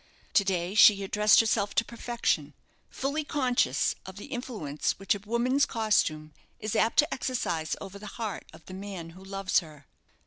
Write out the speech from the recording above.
To day she had dressed herself to perfection, fully conscious of the influence which a woman's costume is apt to exercise over the heart of the man who loves her.